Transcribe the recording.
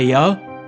tetapi wujudmu tidak